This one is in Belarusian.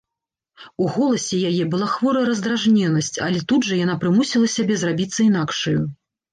У голасе яе была хворая раздражненасць, але тут жа яна прымусіла сябе зрабіцца інакшаю.